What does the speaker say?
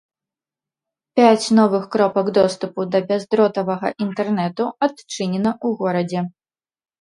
Пяць новых кропак доступу да бяздротавага інтэрнэту адчынена ў горадзе.